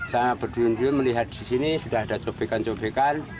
sangat berdunjur melihat di sini sudah ada cabikan cabikan